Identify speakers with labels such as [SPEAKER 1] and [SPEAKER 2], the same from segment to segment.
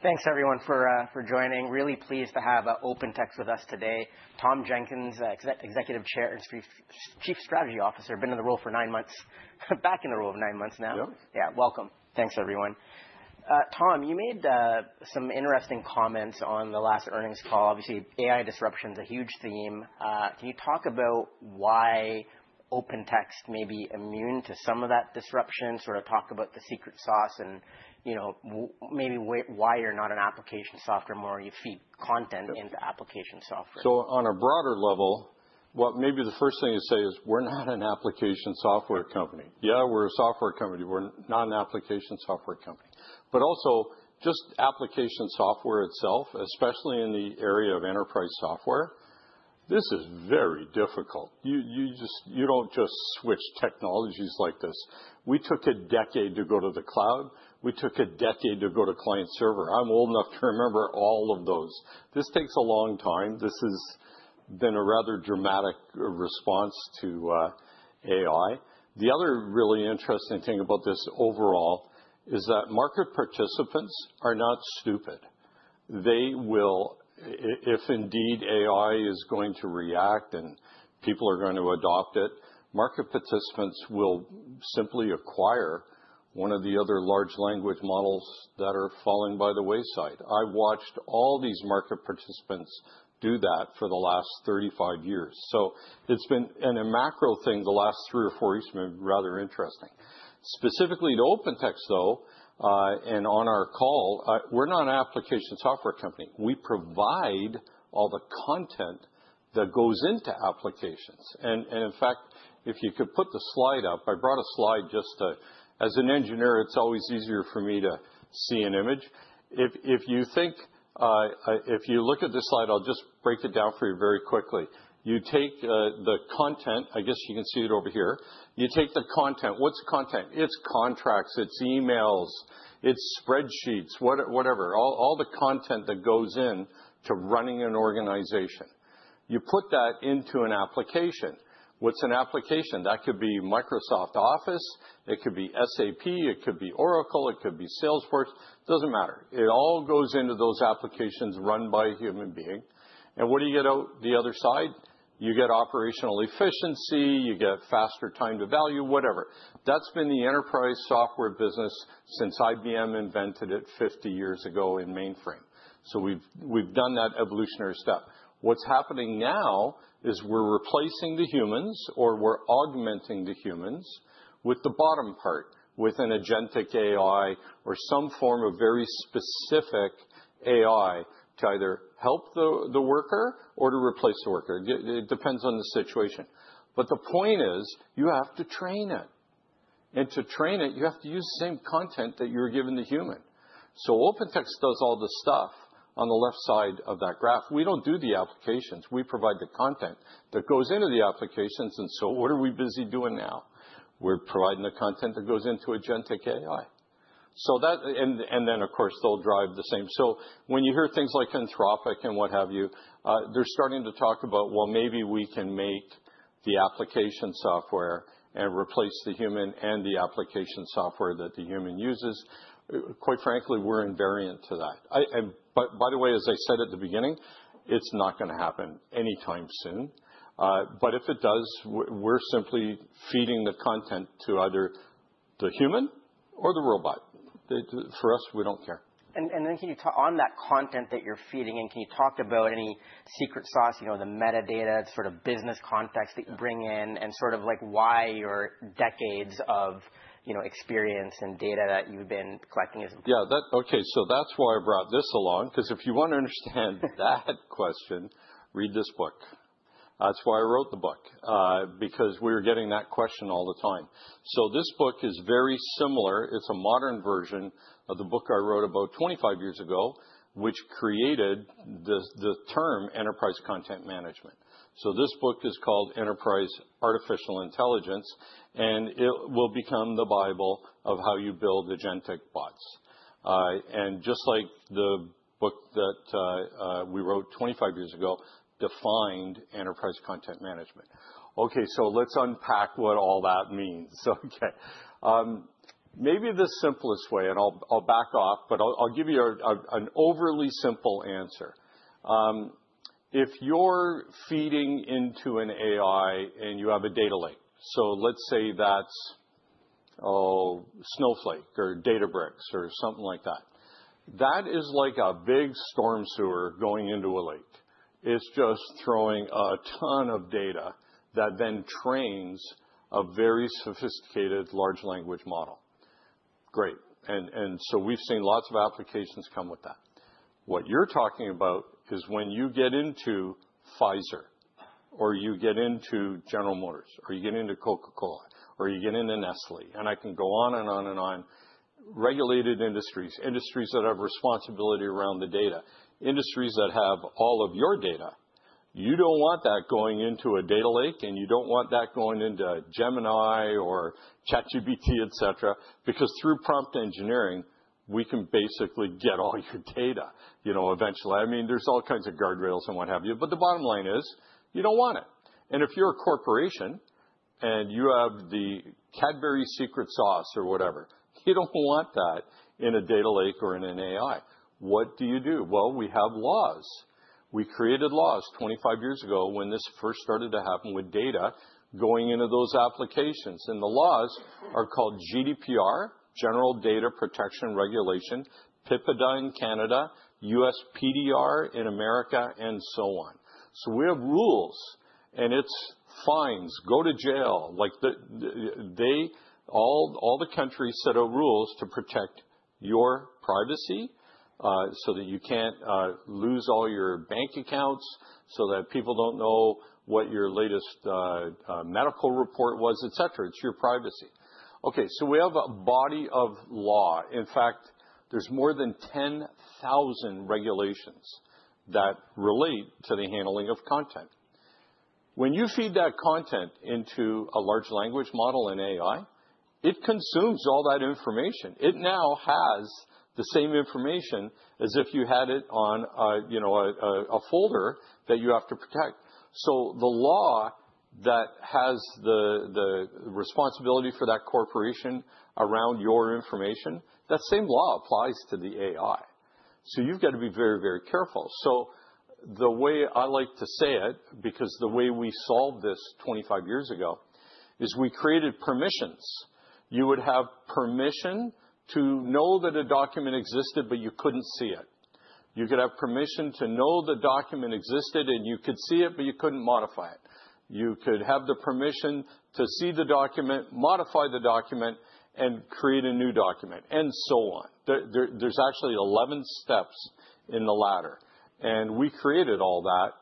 [SPEAKER 1] Thanks everyone for joining. Really pleased to have OpenText with us today. Tom Jenkins, Executive Chair and Chief Strategy Officer, been in the role for nine months. Back in the role of nine months now.
[SPEAKER 2] Yeah.
[SPEAKER 1] Yeah. Welcome. Thanks everyone. Tom, you made some interesting comments on the last earnings call. Obviously, AI disruption's a huge theme. Can you talk about why OpenText may be immune to some of that disruption? Sort of talk about the secret sauce and, you know, maybe why you're not an application software, more you feed content into application software?
[SPEAKER 2] On a broader level, what may be the first thing to say is we're not an application software company. Yeah, we're a software company. We're not an application software company. Also, just application software itself, especially in the area of enterprise software, this is very difficult. You don't just switch technologies like this. We took a decade to go to the cloud. We took a decade to go to client server. I'm old enough to remember all of those. This takes a long time. This has been a rather dramatic response to AI. The other really interesting thing about this overall is that market participants are not stupid. They will if indeed AI is going to react and people are going to adopt it, market participants will simply acquire one of the other large language models that are falling by the wayside. I watched all these market participants do that for the last 35 years. A macro thing the last three or four years has been rather interesting. Specifically to OpenText, though, on our call, we're not an application software company. We provide all the content that goes into applications. In fact, if you could put the slide up, I brought a slide. As an engineer, it's always easier for me to see an image. If you think, if you look at this slide, I'll just break it down for you very quickly. You take the content. I guess you can see it over here. You take the content. What's content? It's contracts, it's emails, it's spreadsheets, whatever. All the content that goes in to running an organization. You put that into an application. What's an application? That could be Microsoft Office, it could be SAP, it could be Oracle, it could be Salesforce. Doesn't matter. It all goes into those applications run by a human being. What do you get out the other side? You get operational efficiency, you get faster time to value, whatever. That's been the enterprise software business since IBM invented it 50 years ago in mainframe. We've done that evolutionary step. What's happening now is we're replacing the humans or we're augmenting the humans with the bottom part, with an agentic AI or some form of very specific AI to either help the worker or to replace the worker. It depends on the situation. The point is, you have to train it. To train it, you have to use the same content that you're giving the human. OpenText does all the stuff on the left side of that graph. We don't do the applications. We provide the content that goes into the applications. What are we busy doing now? We're providing the content that goes into agentic AI. Then of course, they'll drive the same. When you hear things like Anthropic and what have you, they're starting to talk about, well, maybe we can make the application software and replace the human and the application software that the human uses. Quite frankly, we're invariant to that. By the way, as I said at the beginning, it's not gonna happen anytime soon. If it does, we're simply feeding the content to either the human or the robot. For us, we don't care.
[SPEAKER 1] On that content that you're feeding in, can you talk about any secret sauce, you know, the metadata, sort of business context that you bring in, and sort of like why your decades of, you know, experience and data that you've been collecting is--
[SPEAKER 2] Yeah, that-- Okay, that's why I brought this along, 'cause if you wanna understand that question, read this book. That's why I wrote the book, because we're getting that question all the time. This book is very similar. It's a modern version of the book I wrote about 25 years ago, which created the term enterprise content management. This book is called Enterprise Artificial Intelligence, and it will become the bible of how you build agentic bots. Just like the book that we wrote 25 years ago defined enterprise content management. Okay, let's unpack what all that means. Okay, maybe the simplest way, and I'll back off, but I'll give you an overly simple answer. If you're feeding into an AI and you have a data lake, so let's say that's Snowflake or Databricks or something like that. That is like a big storm sewer going into a lake. It's just throwing a ton of data that then trains a very sophisticated large language model. Great. We've seen lots of applications come with that. What you're talking about is when you get into Pfizer, or you get into General Motors, or you get into Coca-Cola, or you get into Nestlé, and I can go on and on and on. Regulated industries that have responsibility around the data, industries that have all of your data, you don't want that going into a data lake, and you don't want that going into Gemini or ChatGPT, et cetera, because through prompt engineering, we can basically get all your data, you know, eventually. I mean, there's all kinds of guardrails and what have you, but the bottom line is, you don't want it. If you're a corporation and you have the Cadbury secret sauce or whatever. You don't want that in a data lake or in an AI. What do you do? Well, we have laws. We created laws 25 years ago when this first started to happen with data going into those applications, and the laws are called GDPR, General Data Protection Regulation, PIPEDA in Canada, CCPA in America, and so on. We have rules, and it's fines, go to jail. Like all the countries set up rules to protect your privacy, so that you can't lose all your bank accounts, so that people don't know what your latest medical report was, et cetera. It's your privacy. Okay, we have a body of law. In fact, there's more than 10,000 regulations that relate to the handling of content. When you feed that content into a large language model in AI, it consumes all that information. It now has the same information as if you had it on a, you know, a folder that you have to protect. The law that has the responsibility for that corporation around your information, that same law applies to the AI. You've got to be very, very careful. The way I like to say it, because the way we solved this 25 years ago, is we created permissions. You would have permission to know that a document existed, but you couldn't see it. You could have permission to know the document existed, and you could see it, but you couldn't modify it. You could have the permission to see the document, modify the document and create a new document, and so on. There's actually 11 steps in the ladder. We created all that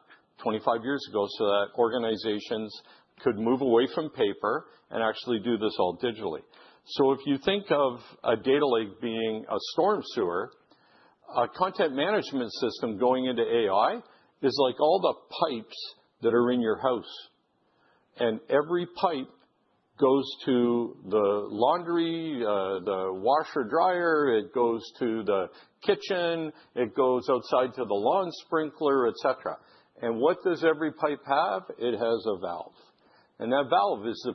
[SPEAKER 2] 25 years ago so that organizations could move away from paper and actually do this all digitally. If you think of a data lake being a storm sewer, a content management system going into AI is like all the pipes that are in your house, and every pipe goes to the laundry, the washer, dryer, it goes to the kitchen, it goes outside to the lawn sprinkler, et cetera. What does every pipe have? It has a valve, and that valve is the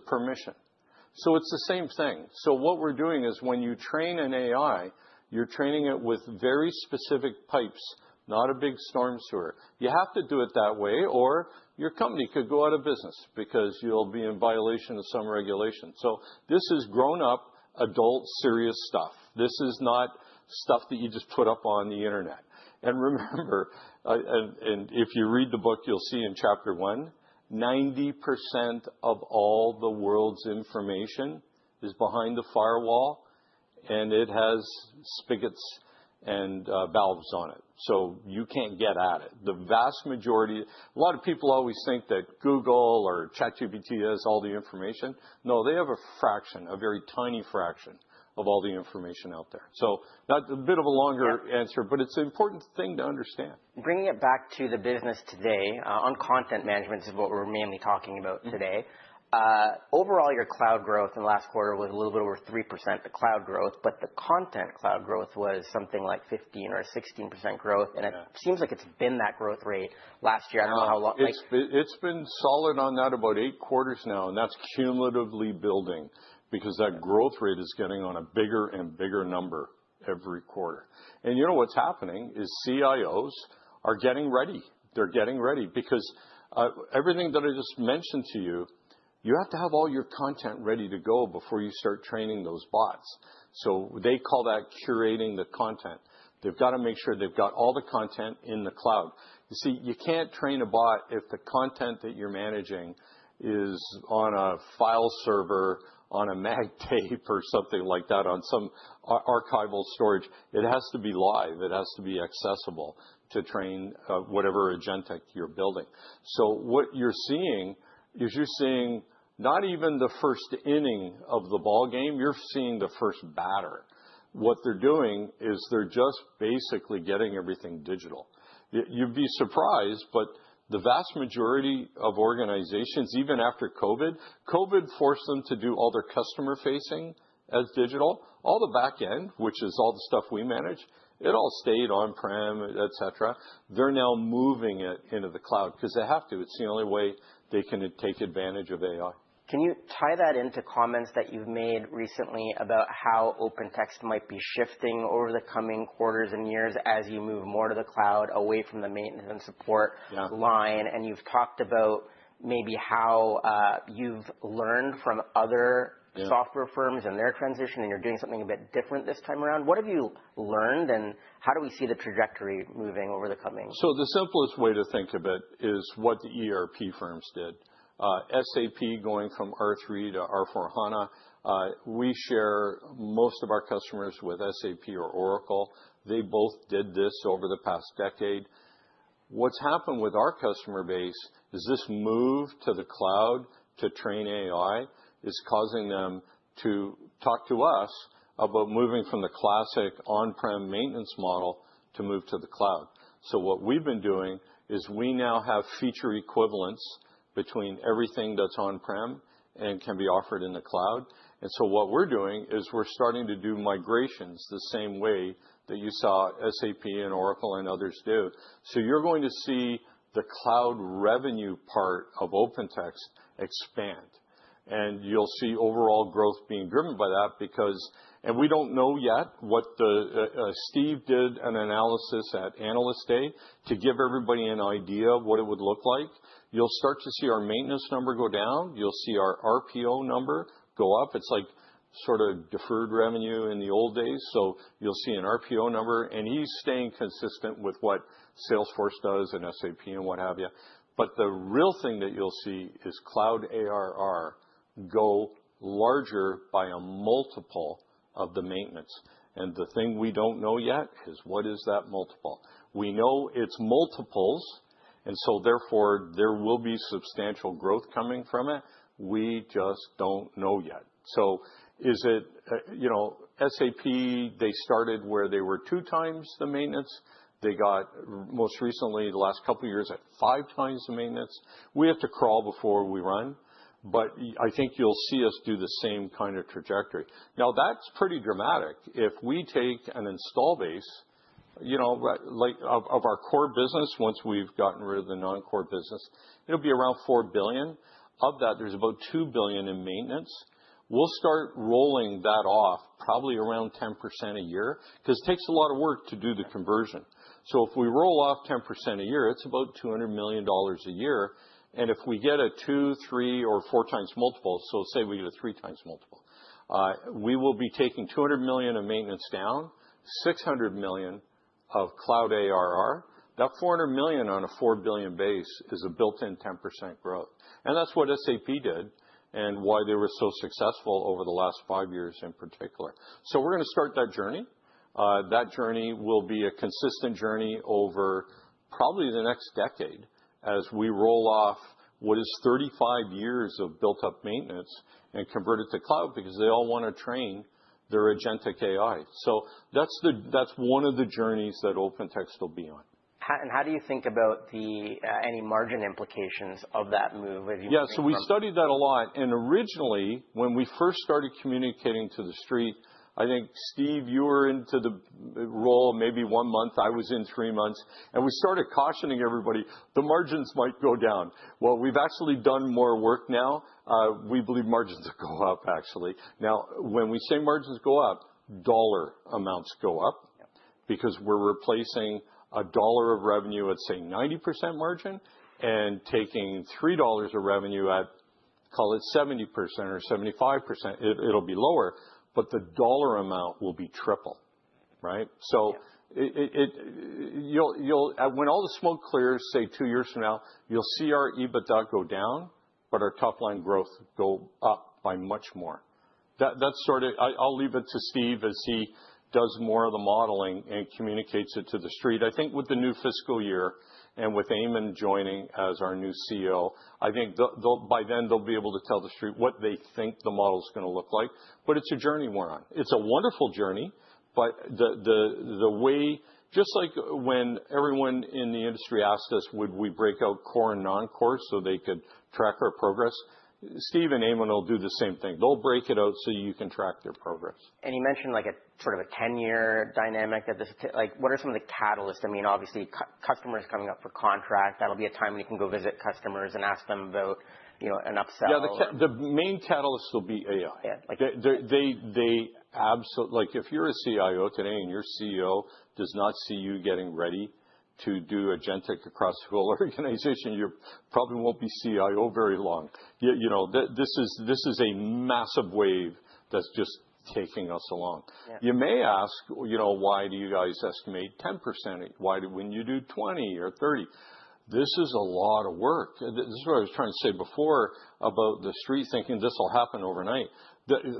[SPEAKER 2] permission. It's the same thing. What we're doing is when you train an AI, you're training it with very specific pipes, not a big storm sewer. You have to do it that way, or your company could go out of business because you'll be in violation of some regulation. This is grown-up, adult, serious stuff. This is not stuff that you just put up on the Internet. Remember, and if you read the book, you'll see in chapter one, 90% of all the world's information is behind a firewall, and it has spigots and valves on it, so you can't get at it. A lot of people always think that Google or ChatGPT has all the information. No, they have a fraction, a very tiny fraction of all the information out there. That's a bit of a longer answer. It's an important thing to understand.
[SPEAKER 1] Bringing it back to the business today, on content management is what we're mainly talking about today. Overall, your cloud growth in the last quarter was a little bit over 3% the cloud growth, but the Content Cloud growth was something like 15% or 16% growth. It seems like it's been that growth rate last year. I don't know how long, like--
[SPEAKER 2] It's been solid on that about eight quarters now, and that's cumulatively building because that growth rate is getting on a bigger and bigger number every quarter. You know what's happening is CIOs are getting ready. They're getting ready because everything that I just mentioned to you have to have all your content ready to go before you start training those bots. They call that curating the content. They've got to make sure they've got all the content in the cloud. You see, you can't train a bot if the content that you're managing is on a file server, on a mag tape or something like that, on some archival storage. It has to be live. It has to be accessible to train whatever agentic you're building. What you're seeing is you're seeing not even the first inning of the ballgame. You're seeing the first batter. What they're doing is they're just basically getting everything digital. You'd be surprised, the vast majority of organizations, even after COVID forced them to do all their customer facing as digital. All the back end, which is all the stuff we manage, it all stayed on-prem, et cetera. They're now moving it into the cloud 'cause they have to. It's the only way they can take advantage of AI.
[SPEAKER 1] Can you tie that into comments that you've made recently about how OpenText might be shifting over the coming quarters and years as you move more to the cloud away from the maintenance and support, line? You've talked about maybe how, you've learned from other software firms and their transition, and you're doing something a bit different this time around. What have you learned, and how do we see the trajectory moving over the coming---
[SPEAKER 2] The simplest way to think of it is what the ERP firms did. SAP going from R/3 to S/4HANA. We share most of our customers with SAP or Oracle. They both did this over the past decade. What's happened with our customer base is this move to the cloud to train AI is causing them to talk to us about moving from the classic on-prem maintenance model to move to the cloud. What we've been doing is we now have feature equivalence between everything that's on-prem and can be offered in the cloud. What we're doing is we're starting to do migrations the same way that you saw SAP and Oracle and others do. You're going to see the cloud revenue part of OpenText expand. You'll see overall growth being driven by that. We don't know yet what Steve did an analysis at Analyst Day to give everybody an idea of what it would look like. You'll start to see our maintenance number go down. You'll see our RPO number go up. It's like sort of deferred revenue in the old days. You'll see an RPO number, and he's staying consistent with what Salesforce does and SAP and what have you. The real thing that you'll see is cloud ARR go larger by a multiple of the maintenance. The thing we don't know yet is what is that multiple? We know it's multiples, therefore, there will be substantial growth coming from it. We just don't know yet. Is it, you know, SAP, they started where they were 2x the maintenance. They got most recently, the last couple of years, at 5x the maintenance. We have to crawl before we run, I think you'll see us do the same kind of trajectory. That's pretty dramatic. If we take an install base, you know, like, of our core business, once we've gotten rid of the non-core business, it'll be around $4 billion. Of that, there's about $2 billion in maintenance. We'll start rolling that off probably around 10% a year, 'cause it takes a lot of work to do the conversion. If we roll off 10% a year, it's about $200 million a year. If we get a 2x, 3x, or 4x multiple, so say we do a 3x multiple, we will be taking $200 million of maintenance down, $600 million of cloud ARR. That $400 million on a $4 billion base is a built-in 10% growth. That's what SAP did and why they were so successful over the last five years, in particular. We're gonna start that journey. That journey will be a consistent journey over probably the next decade as we roll off what is 35 years of built-up maintenance and convert it to cloud because they all wanna train their agentic AI. That's one of the journeys that OpenText will be on.
[SPEAKER 1] How, and how do you think about the any margin implications of that move as you move?
[SPEAKER 2] Yeah. We studied that a lot. Originally, when we first started communicating to the street, I think, Steve, you were into the role maybe one month. I was in three months. We started cautioning everybody, the margins might go down. Well, we've actually done more work now. We believe margins will go up, actually. Now, when we say margins go up, dollar amounts go up because we're replacing $1 of revenue at, say, 90% margin and taking $3 of revenue at, call it 70% or 75%. It'll be lower, but the dollar amount will be triple, right?
[SPEAKER 1] Yeah.
[SPEAKER 2] When all the smoke clears, say, two years from now, you'll see our EBITDA go down, but our top line growth go up by much more. That's sort of, I'll leave it to Steve as he does more of the modeling and communicates it to the street. I think with the new fiscal year and with Ayman joining as our new CEO, I think they'll by then, they'll be able to tell the street what they think the model's gonna look like. It's a journey we're on. It's a wonderful journey, but the way-- Just like when everyone in the industry asked us, would we break out core and non-core so they could track our progress, Steve and Ayman will do the same thing. They'll break it out so you can track their progress.
[SPEAKER 1] You mentioned, like, a sort of a 10-year dynamic. Like, what are some of the catalysts? I mean, obviously, customers coming up for contract, that'll be a time when you can go visit customers and ask them about, you know, an upsell.
[SPEAKER 2] Yeah. The main catalyst will be AI. Like, they Like, if you're a CIO today, and your CEO does not see you getting ready to do agentic across the whole organization, you probably won't be CIO very long. You, you know, this is a massive wave that's just taking us along.
[SPEAKER 1] Yeah.
[SPEAKER 2] You may ask, you know, "Why do you guys estimate 10%? When you do 20% or 30%?" This is a lot of work. This is what I was trying to say before about the street thinking this will happen overnight.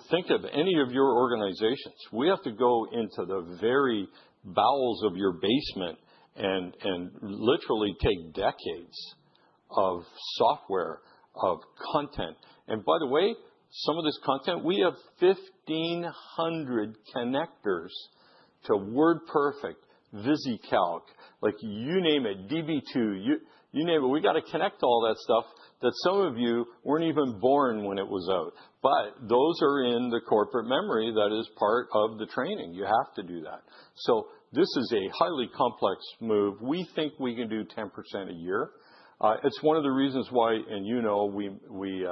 [SPEAKER 2] Think of any of your organizations. We have to go into the very bowels of your basement and literally take decades of software, of content. By the way, some of this content, we have 1,500 connectors to WordPerfect, VisiCalc, like, you name it, Db2, you name it. We gotta connect all that stuff that some of you weren't even born when it was out. Those are in the corporate memory that is part of the training. You have to do that. This is a highly complex move. We think we can do 10% a year. It's one of the reasons why, and you know, we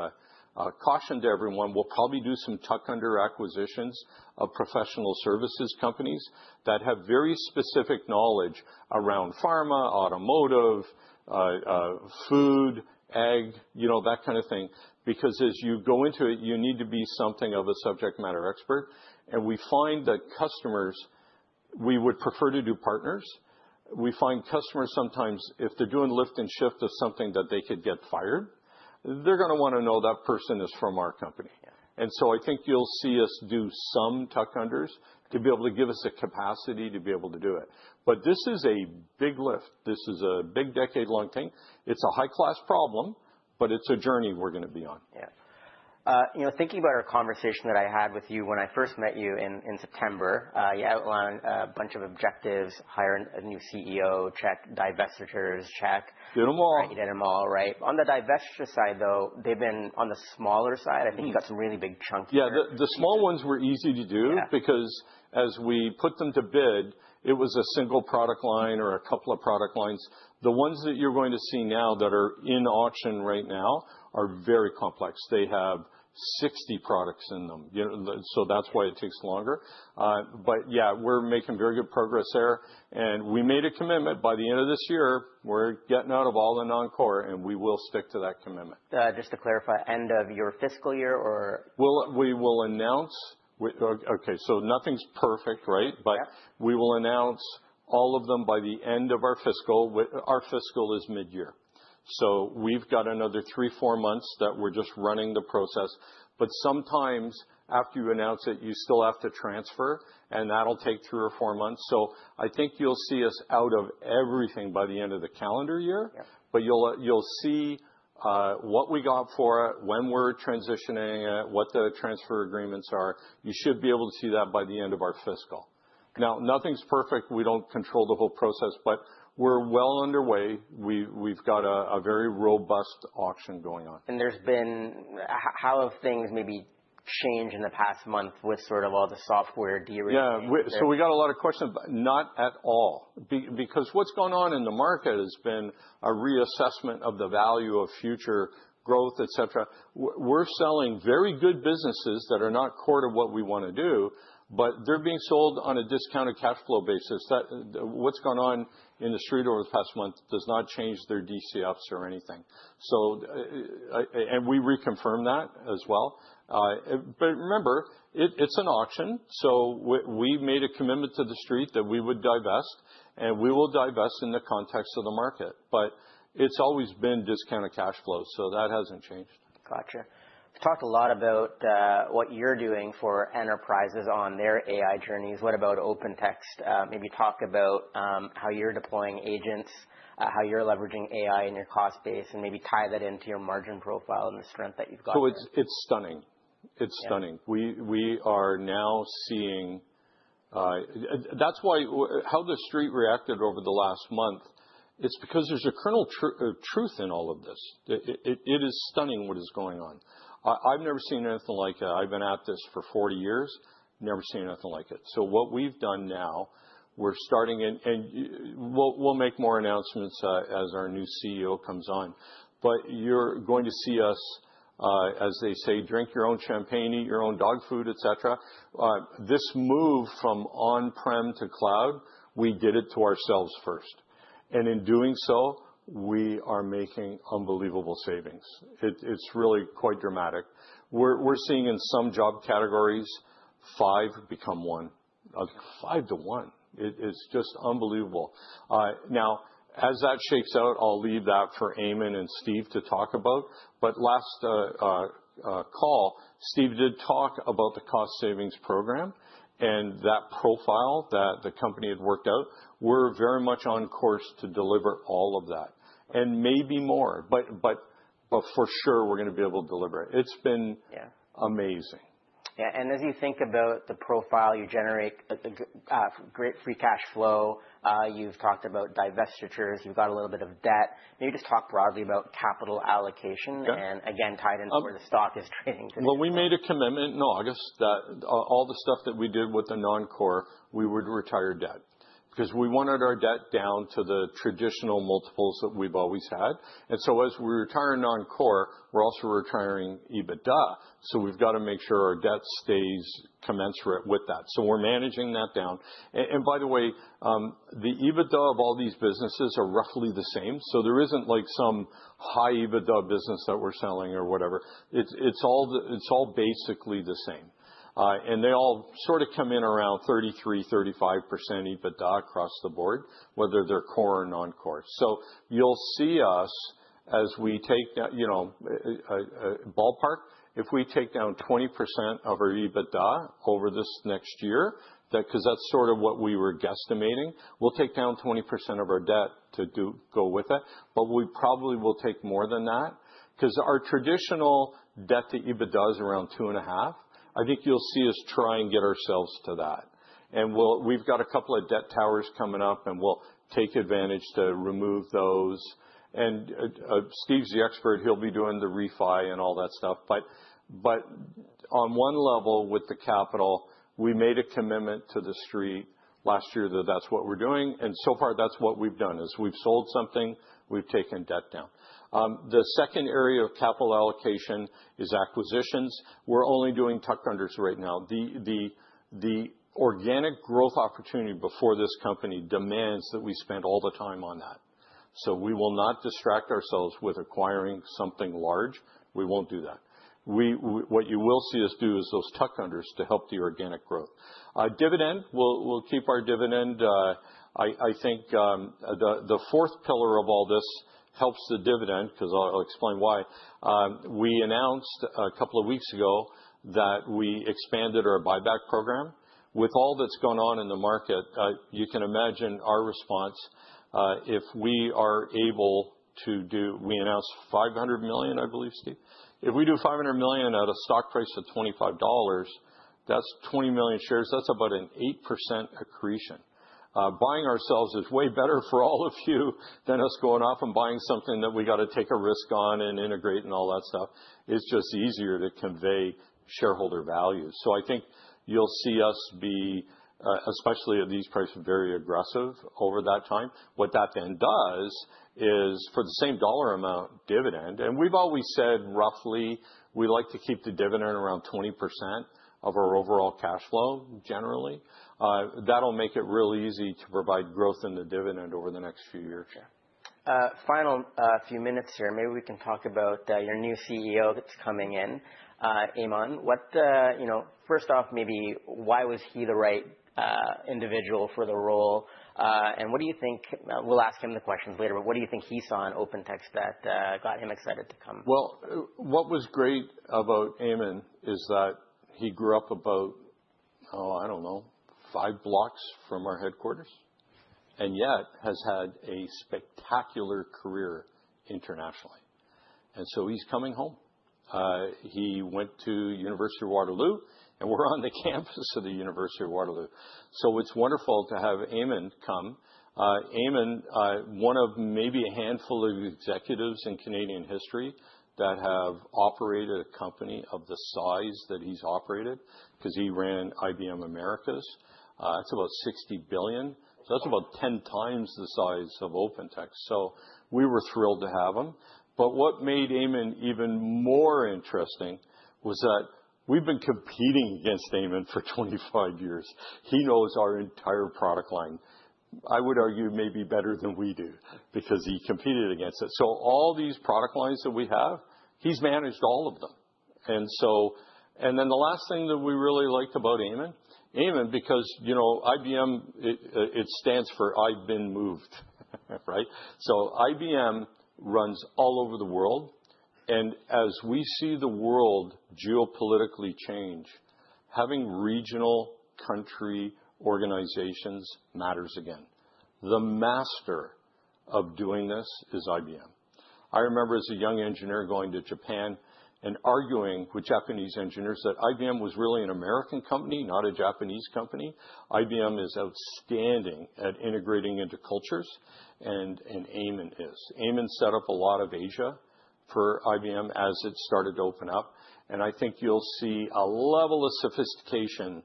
[SPEAKER 2] cautioned everyone we'll probably do some tuck-in acquisitions of professional services companies that have very specific knowledge around pharma, automotive, food, ag, you know, that kind of thing. As you go into it, you need to be something of a subject matter expert. We find that customers, we would prefer to do partners. We find customers sometimes, if they're doing lift and shift of something that they could get fired, they're gonna wanna know that person is from our company. I think you'll see us do some tuck-ins to be able to give us the capacity to be able to do it. This is a big lift. This is a big decade-long thing. It's a high-class problem, but it's a journey we're gonna be on.
[SPEAKER 1] Yeah. You know, thinking about our conversation that I had with you when I first met you in September, you outlined a bunch of objectives, hire a new CEO, check. Divestitures, check.
[SPEAKER 2] Did them all.
[SPEAKER 1] You did them all, right. On the divestiture side, though, they've been on the smaller side. I think you've got some really big chunks there.
[SPEAKER 2] Yeah. The small ones were easy to do because as we put them to bid, it was a single product line or a couple of product lines. The ones that you're going to see now that are in auction right now are very complex. They have 60 products in them. You know, so that's why it takes longer. Yeah, we're making very good progress there, and we made a commitment. By the end of this year, we're getting out of all the non-core, and we will stick to that commitment.
[SPEAKER 1] Just to clarify, end of your fiscal year, or?
[SPEAKER 2] We will announce. Okay, so nothing's perfect, right?
[SPEAKER 1] Yeah.
[SPEAKER 2] We will announce all of them by the end of our fiscal. Our fiscal is mid-year. We've got another three, four months that we're just running the process. Sometimes after you've announced it, you still have to transfer, and that'll take three or four months. I think you'll see us out of everything by the end of the calendar year.
[SPEAKER 1] Yeah.
[SPEAKER 2] You'll see, what we got for it, when we're transitioning it, what the transfer agreements are. You should be able to see that by the end of our fiscal. Nothing's perfect. We don't control the whole process, but we're well underway. We've got a very robust auction going on.
[SPEAKER 1] How have things maybe changed in the past month with sort of all the software de-risking there?
[SPEAKER 2] Yeah. We got a lot of questions. Not at all. Because what's gone on in the market has been a reassessment of the value of future growth, et cetera. We're selling very good businesses that are not core to what we wanna do, but they're being sold on a discounted cash flow basis. What's gone on in the street over the past month does not change their DCFs or anything. And we reconfirm that as well. Remember, it's an auction, we've made a commitment to the street that we would divest, and we will divest in the context of the market. It's always been discounted cash flow, so that hasn't changed.
[SPEAKER 1] Got it. You've talked a lot about what you're doing for enterprises on their AI journeys. What about OpenText? Maybe talk about how you're deploying agents, how you're leveraging AI in your cost base, and maybe tie that into your margin profile and the strength that you've got there.
[SPEAKER 2] It's stunning. It's stunning. We are now seeing. How the street reacted over the last month, it's because there's a kernel of truth in all of this. It is stunning what is going on. I've never seen anything like it. I've been at this for 40 years. Never seen anything like it. What we've done now, we're starting and we'll make more announcements as our new CEO comes on. You're going to see us, as they say, drink your own champagne, eat your own dog food, et cetera. This move from on-prem to cloud, we did it to ourselves first. In doing so, we are making unbelievable savings. It's really quite dramatic. We're seeing in some job categories, five become one. five to one. It is just unbelievable. Now, as that shakes out, I'll leave that for Ayman and Steve to talk about. Last call, Steve did talk about the cost savings program and that profile that the company had worked out. We're very much on course to deliver all of that, and maybe more. For sure, we're gonna be able to deliver it. It's been amazing.
[SPEAKER 1] As you think about the profile, you generate great free cash flow. You've talked about divestitures. You've got a little bit of debt. Can you just talk broadly about capital allocation? Again, tie it into where the stock is trading today.
[SPEAKER 2] Well, we made a commitment in August that all the stuff that we did with the non-core, we would retire debt. 'Cause we wanted our debt down to the traditional multiples that we've always had. As we retire non-core, we're also retiring EBITDA, so we've got to make sure our debt stays commensurate with that. We're managing that down. By the way, the EBITDA of all these businesses are roughly the same, so there isn't like some high EBITDA business that we're selling or whatever. It's all basically the same. They all sort of come in around 33%-35% EBITDA across the board, whether they're core or non-core. You'll see us as we take down, you know, ballpark. If we take down 20% of our EBITDA over this next year, 'cause that's sort of what we were guesstimating. We'll take down 20% of our debt to go with it. We probably will take more than that, 'cause our traditional debt to EBITDA is around 2.5x. I think you'll see us try and get ourselves to that. We've got a couple of debt towers coming up, and we'll take advantage to remove those. Steve's the expert. He'll be doing the refi and all that stuff. On one level with the capital, we made a commitment to the street last year that that's what we're doing, and so far, that's what we've done, is we've sold something, we've taken debt down. The second area of capital allocation is acquisitions. We're only doing tuck unders right now. The organic growth opportunity before this company demands that we spend all the time on that. We will not distract ourselves with acquiring something large. We won't do that. What you will see us do is those tuck unders to help the organic growth. Dividend. We'll keep our dividend. I think the fourth pillar of all this helps the dividend, 'cause I'll explain why. We announced a couple of weeks ago that we expanded our buyback program. With all that's going on in the market, you can imagine our response, if we are able to do-- We announced $500 million, I believe, Steve. If we do $500 million at a stock price of $25. That's 20 million shares, that's about an 8% accretion. Buying ourselves is way better for all of you than us going off and buying something that we gotta take a risk on and integrate and all that stuff. It's just easier to convey shareholder value. I think you'll see us be, especially at these prices, very aggressive over that time. What that then does is for the same dollar amount dividend, and we've always said roughly we like to keep the dividend around 20% of our overall cash flow, generally. That'll make it real easy to provide growth in the dividend over the next few years.
[SPEAKER 1] Yeah. Final few minutes here, maybe we can talk about your new CEO that's coming in, Ayman. What, you know, First off, maybe why was he the right individual for the role? What do you think-- We'll ask him the questions later, what do you think he saw in OpenText that got him excited to come?
[SPEAKER 2] Well, what was great about Ayman is that he grew up about, oh, I don't know, five blocks from our headquarters, and yet has had a spectacular career internationally. He's coming home. He went to University of Waterloo, and we're on the campus of the University of Waterloo. It's wonderful to have Ayman come. Ayman, one of maybe a handful of executives in Canadian history that have operated a company of the size that he's operated, 'cause he ran IBM Americas. It's about $60 billion. That's about 10x the size of OpenText. We were thrilled to have him, but what made Ayman even more interesting was that we've been competing against Ayman for 25 years. He knows our entire product line. I would argue maybe better than we do because he competed against us. All these product lines that we have, he's managed all of them. The last thing that we really liked about Ayman, because, you know, IBM, it stands for I've been moved, right? IBM runs all over the world. As we see the world geopolitically change, having regional country organizations matters again. The master of doing this is IBM. I remember as a young engineer going to Japan and arguing with Japanese engineers that IBM was really an American company, not a Japanese company. IBM is outstanding at integrating into cultures, and Ayman is. Ayman set up a lot of Asia for IBM as it started to open up, and I think you'll see a level of sophistication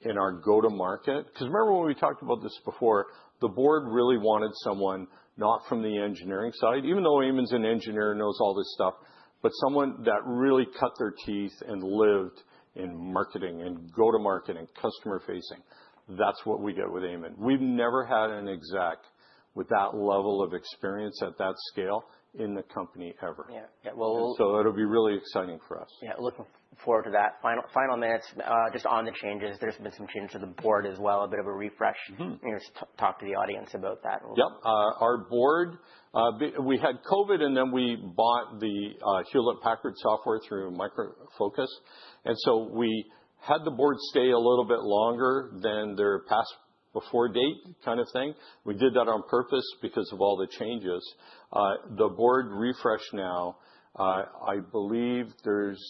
[SPEAKER 2] in our go-to-market. 'Cause remember when we talked about this before, the board really wanted someone not from the engineering side. Ayman's an engineer, knows all this stuff, but someone that really cut their teeth and lived in marketing and go-to-market and customer facing. That's what we get with Ayman. We've never had an exec with that level of experience at that scale in the company, ever. It'll be really exciting for us.
[SPEAKER 1] Yeah. Looking forward to that. Final, final minutes, just on the changes. There's been some changes to the board as well, a bit of a refresh. Can you just talk to the audience about that a little?
[SPEAKER 2] Yep. Our board, we had COVID, we bought the Hewlett Packard software through Micro Focus. We had the board stay a little bit longer than their past before date kind of thing. We did that on purpose because of all the changes. The board refresh now, I believe there's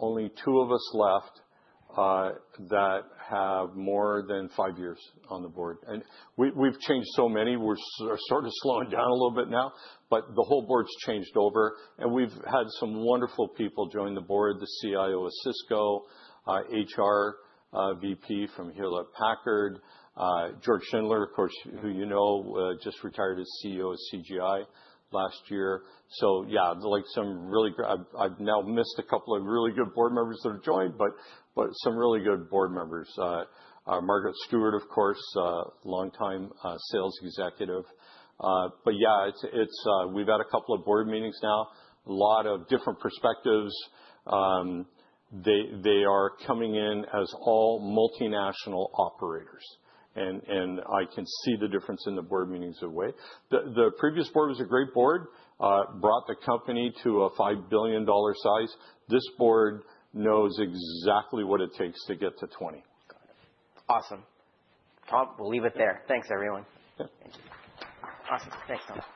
[SPEAKER 2] only two of us left that have more than five years on the board. We, we've changed so many, we're sort of slowing down a little bit now, but the whole board's changed over, and we've had some wonderful people join the board, the CIO of Cisco, HR VP from Hewlett Packard, George Schindler, of course, who you know, just retired as CEO of CGI last year. Yeah, like some really I've now missed a couple of really good board members that have joined, but some really good board members. Margaret Stuart, of course, longtime sales executive. Yeah, it's we've had a couple of board meetings now, a lot of different perspectives. They are coming in as all multinational operators, and I can see the difference in the board meetings already. The previous board was a great board, brought the company to a $5 billion size. This board knows exactly what it takes to get to $20 billion.
[SPEAKER 1] Got it. Awesome. We'll leave it there. Thanks, everyone.
[SPEAKER 2] Yeah. Thank you.
[SPEAKER 1] Awesome. Thanks, Tom.